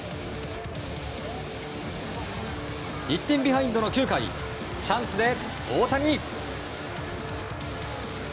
１点ビハインドの９回チャンスで大谷。